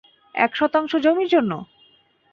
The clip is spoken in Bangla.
এক শতাংশ জমির জন্য?